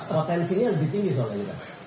potensinya lebih tinggi soalnya juga